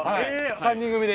・３人組で。